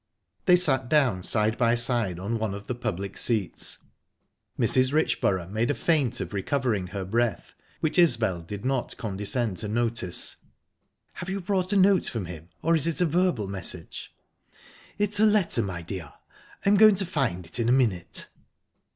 They sat down side by side on one of the public seats. Mrs. Richborough made a feint of recovering her breath, which Isbel did not condescend to notice. "Have you brought a note from him, or is it a verbal message?" "It's a letter, my dear. I'm going to find it in a minute."